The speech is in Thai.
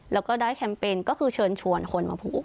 แล้วก็ได้แคมเปญก็คือเชิญชวนคนมาผูก